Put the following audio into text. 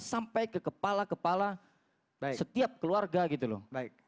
sampai ke kepala kepala setiap keluarga gitu loh